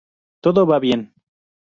Todo va bien.